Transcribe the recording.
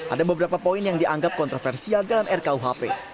ada beberapa poin yang dianggap kontroversial dalam rkuhp